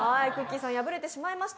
さん、敗れてしまいました。